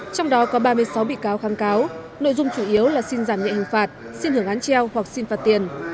trong đó có ba mươi sáu bị cáo kháng cáo nội dung chủ yếu là xin giảm nhẹ hình phạt xin hưởng án treo hoặc xin phạt tiền